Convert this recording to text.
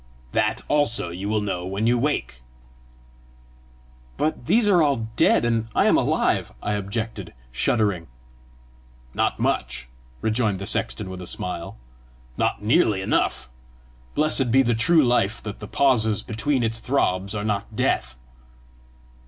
"That also you will know when you wake." "But these are all dead, and I am alive!" I objected, shuddering. "Not much," rejoined the sexton with a smile, " not nearly enough! Blessed be the true life that the pauses between its throbs are not death!"